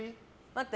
待って。